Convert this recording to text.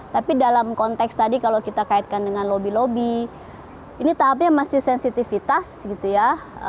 tapi dalam konteks tadi kalau kita kaitkan dengan lobby lobby ini tahapnya masih sensitivitas gitu ya